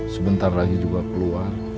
sebentar lagi juga keluar